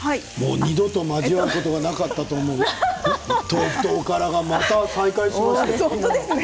二度と交わることがなかった豆腐とおからがまた再会しましたね。